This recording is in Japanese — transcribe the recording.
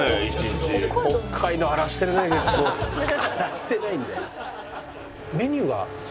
荒らしてないんだよ。